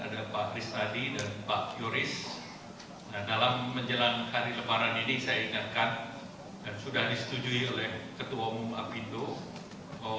dalam menjelang hari lebaran ini saya ingatkan dan sudah disetujui oleh ketua umum apindo